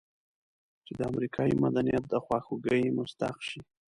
چې د امریکایي مدنیت د خواخوږۍ مستحق شي.